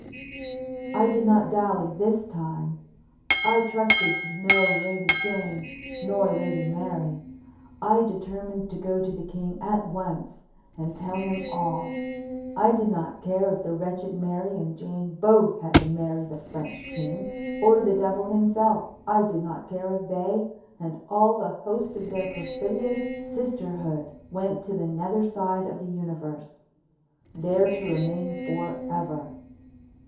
I did not dally this time. I trusted to no Lady Jane nor Lady Mary. I determined to go to the king at once and tell him all. I did not care if the wretched Mary and Jane both had to marry the French king, or the devil himself. I did not care if they and all the host of their perfidious sisterhood went to the nether side of the universe, there to remain forever.